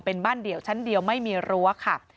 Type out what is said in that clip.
เป็นบ้านเดี่ยวชั้นเดียวไม่มีรั้วค่ะ